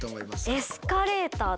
エスカレーター。